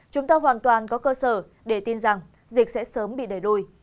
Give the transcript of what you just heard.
chúng ta hoàn toàn có cơ sở để tin rằng dịch sẽ sớm bị đẩy đuổi